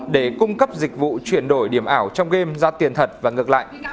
để cung cấp dịch vụ chuyển đổi điểm ảo trong game ra tiền thật và ngược lại